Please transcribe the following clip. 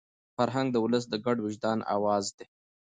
فرهنګ د ولس د ګډ وجدان اواز دی.